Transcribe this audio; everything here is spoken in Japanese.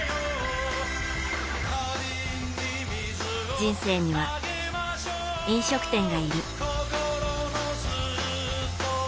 人生には、飲食店がいる。